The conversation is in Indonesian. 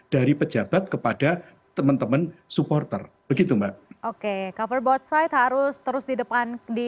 dari pejabat kepada teman teman supporter begitu mbak oke cover both side harus terus di depan di